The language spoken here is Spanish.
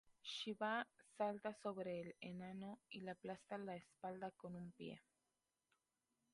Shivá salta sobre el enano y le aplasta la espalda con un pie.